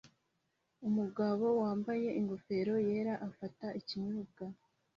Umugabo wambaye ingofero yera afata ikinyobwa